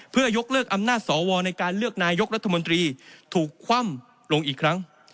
เพื่อยกเลิกอำนาจสวในการเลือกนายกรัฐมนตรีถูกคว่ำลงอีกครั้ง